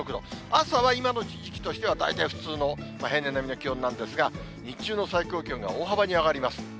朝は今の時期としては大体普通の、平年並みの気温なんですが、日中の最高気温が大幅に上がります。